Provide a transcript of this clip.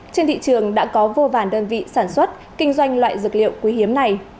trên thị trường đã có vô vàn đơn vị sản xuất kinh doanh loại dược liệu quý hiếm này